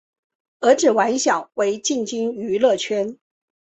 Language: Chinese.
儿子王骁也进军娱乐圈。